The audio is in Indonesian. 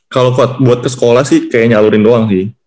kalau buat ke sekolah sih kayaknya nyalurin doang sih